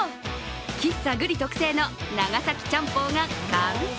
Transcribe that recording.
喫茶ぐり特製の長崎ちゃんぽんが完成。